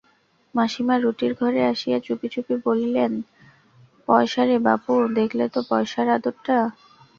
মাসিমা রুটির ঘরে আসিয়া চুপি চুপি বলিলেন-পয়সা রে বাপু, দেখলে তো পয়সার আদরটা?